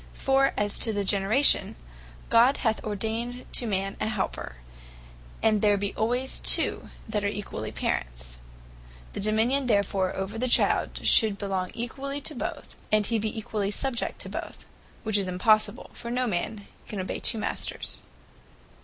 For as to the Generation, God hath ordained to man a helper; and there be alwayes two that are equally Parents: the Dominion therefore over the Child, should belong equally to both; and he be equally subject to both, which is impossible; for no man can obey two Masters.